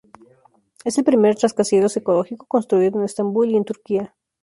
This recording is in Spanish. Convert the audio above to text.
Es el primer rascacielos ecológico construido en Estambul y en Turquía.